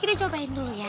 kita cobain dulu ya